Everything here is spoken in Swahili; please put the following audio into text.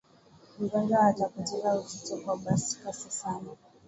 mgonjwa atapoteza uzito kwa kasi sana